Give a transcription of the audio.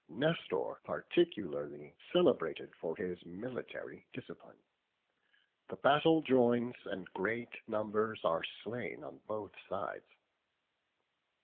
Nestor is particularly celebrated for his military discipline. The battle joins, and great numbers are slain on both sides.